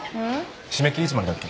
締め切りいつまでだっけ？